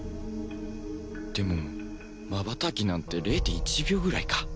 でもまばたきなんて ０．１ 秒ぐらいか